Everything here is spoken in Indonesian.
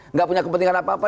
nggak punya kepentingan apa apa